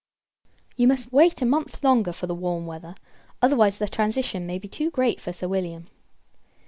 You must wait a month longer, for the warm weather; otherwise, the transition may be too great for Sir William.